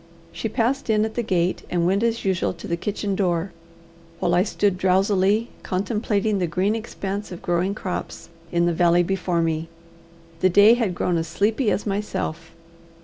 She passed in at the gate and went as usual to the kitchen door, while I stood drowsily contemplating the green expanse of growing crops in the valley before me. The day had grown as sleepy as myself.